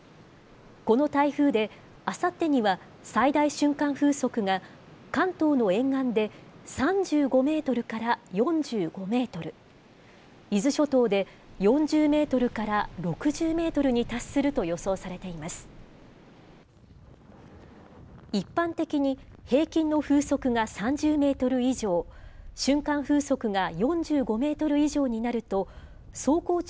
この台風で、あさってには最大瞬間風速が関東の沿岸で３５メートルから４５メートル、伊豆諸島で４０メートルから６０メートルに達すると予想されています。